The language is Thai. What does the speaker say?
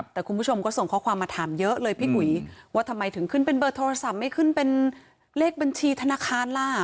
แต่คุณผู้ชมก็ส่งข้อความมาถามเยอะเลยพี่อุ๋ยว่าทำไมถึงขึ้นเป็นเบอร์โทรศัพท์ไม่ขึ้นเป็นเลขบัญชีธนาคารล่ะ